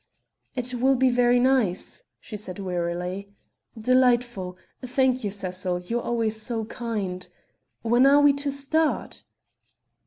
"It will be very nice " she said wearily; "delightful thank you, Cecil you are always so kind ... when are we to start?"